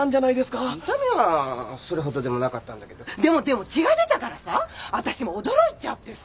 痛みはそれほどでもなかったんだけどでもでも血が出たからさわたしも驚いちゃってさ。